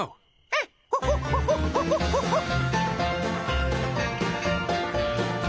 アッホホッホホッホホッホホッ。